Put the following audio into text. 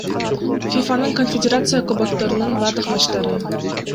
ФИФАнын Конфедерация кубокторунун бардык матчтары